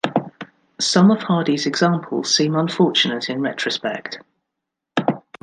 Some of Hardy's examples seem unfortunate in retrospect.